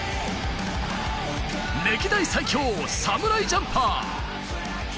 歴代最強侍ジャンパー。